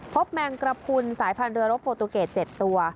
พบแมงกระพุนสายพันธ์เรือโรปโปตุเกรจเจ็ดตัว